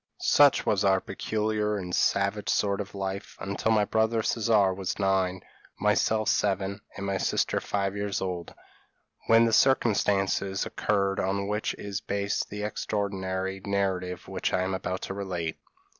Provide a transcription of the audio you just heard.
p> "Such was our peculiar and savage sort of life until my brother Caesar was nine, myself seven, and my sister five years old, when the circumstances occurred on which is based the extraordinary narrative which I am about to relate.